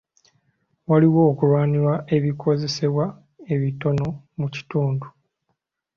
Waliwo okulwanira ebikozesebwa ebitono mu kitundu.